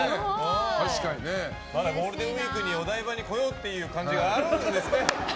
まだゴールデンウィークにお台場に来ようという感じがあるんですね。